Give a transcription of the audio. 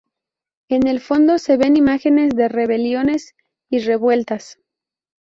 En el fondo se ven imágenes de rebeliones y revueltas.